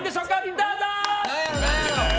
どうぞ！